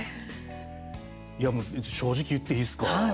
いや、正直言っていいですか？